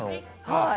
はい。